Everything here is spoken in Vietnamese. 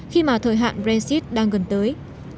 khi mà thời hạn brexit đang gần tới